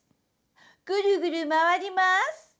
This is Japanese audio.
ぐるぐるまわりまーす。